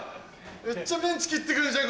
めっちゃメンチ切って来るじゃん